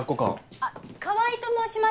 あっ川合と申します。